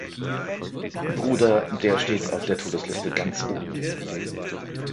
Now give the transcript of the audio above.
Bruder, der steht auf der Todesliste ganz oben.